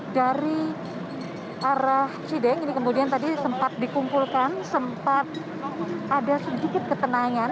dari arah cideng ini kemudian tadi sempat dikumpulkan sempat ada sedikit ketenangan